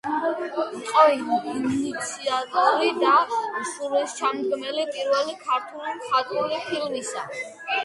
იყო ინიციატორი და სულისჩამდგმელი პირველი ქართული მხატვრული ფილმისა.